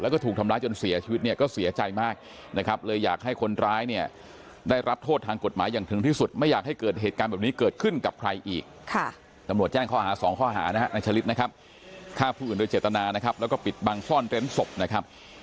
นายชะลิดนะครับฆ่าผู้อื่นโดยเจตนานะครับแล้วก็ปิดบังช่อนเต็มศพนะครับ